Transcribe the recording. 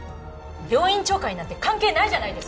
病院長会なんて関係ないじゃないですか！